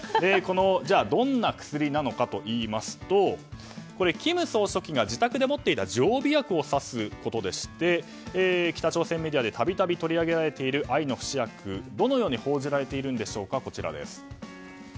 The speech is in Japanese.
どんな薬なのかといいますと金総書記が自宅で持っていた常備薬を指すことでして北朝鮮メディアで度々取り上げられている愛の不死薬、どのように報じられているんでしょうか。